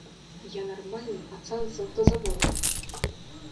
Я нармальны пацан з аўтазавода!